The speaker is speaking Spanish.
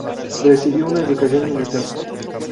Recibió una educación militar.